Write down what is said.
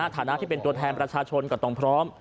ฐานะที่เป็นตัวแทนประชาชนก็ต้องพร้อม